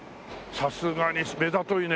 さすがに目ざといね。